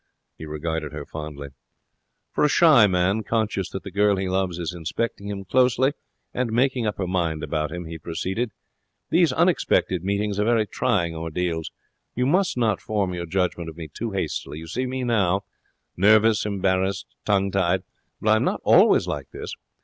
He regarded her fondly. 'For a shy man, conscious that the girl he loves is inspecting him closely and making up her mind about him,' he proceeded, 'these unexpected meetings are very trying ordeals. You must not form your judgement of me too hastily. You see me now, nervous, embarrassed, tongue tied. But I am not always like this.